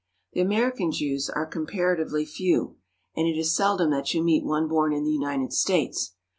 The American Jews are comparatively few, and it is seldom that you meet one born in the United States.